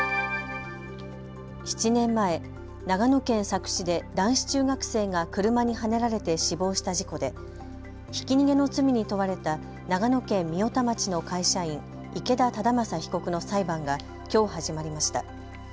７年前、長野県佐久市で男子中学生が車にはねられて死亡した事故でひき逃げの罪に問われた長野県御代田町の会社員池田忠正被告の裁判がきょう始まりました。